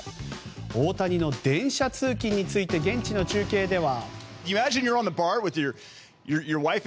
大谷の電車通勤について現地の中継では。